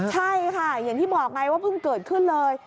ใช่ค่ะอย่างที่บอกไงว่าเพิ่งเกิดขึ้นเลย